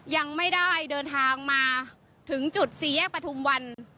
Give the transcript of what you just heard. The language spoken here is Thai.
ยังไม่ได้เดินทางมาถึงจุดสี่แยกประทุมวัน